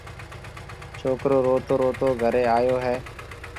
ڇوڪرو روتو روتو گهريَ آئيو هيَ۔